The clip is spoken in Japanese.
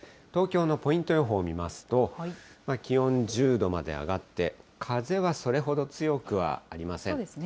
東京のポイント予報を見ますと、気温１０度まで上がって、風はそれほど強くはありません。